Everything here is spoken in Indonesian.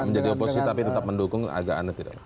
menjadi oposisi tapi tetap mendukung agak aneh tidak